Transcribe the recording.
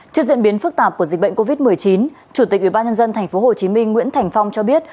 trước diễn biến phức tạp của dịch bệnh covid một mươi chín chủ tịch ubnd tp hcm nguyễn thành phong cho biết